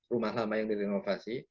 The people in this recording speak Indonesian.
rumah lama yang direnovasi